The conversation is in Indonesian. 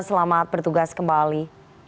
selamat bertugas kembali